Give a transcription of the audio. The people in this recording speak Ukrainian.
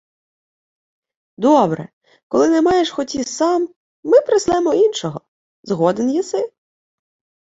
— Добре, коли не маєш хоті сам... Ми прислемо іншого. Згоден єси?